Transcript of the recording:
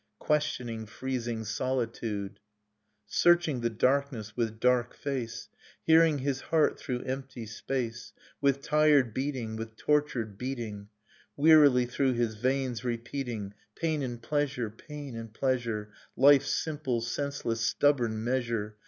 Questioning freezing solitude, [IIS] Nocturne of Remembered Spring Searching the darkness with dark face, Hearing his heart through empty space With tired beating, with tortured beating, Wearily through his veins repeating Pain and pleasure, pain and pleasure, Life's simple senseless stubborn measure.